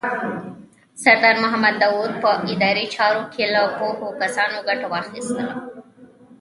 سردار محمد داود په اداري چارو کې له پوهو کسانو ګټه واخیستله.